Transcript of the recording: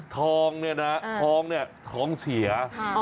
ท้องเนี่ยนะท้องเสีย